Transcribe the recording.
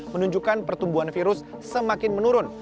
menunjukkan pertumbuhan virus semakin menurun